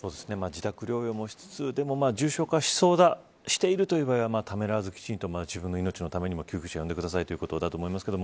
自宅療養もしつつ重症化しそうだしているという場合はためらわず、きちんと自分の命のために救急車を呼んでくださいということです